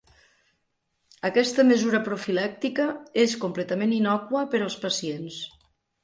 Aquesta mesura profilàctica és completament innòcua per als pacients.